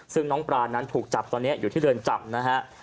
ซึ่งน้องปลานั้นถูกจับตอนนี้อยู่ที่เรือนจำนะฮะ